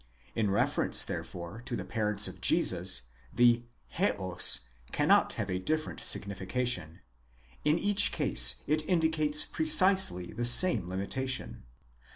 In reference, therefore, to the parents of Jesus, the €ws cannot have a different signification ; in each case it indicates precisely the same limitation.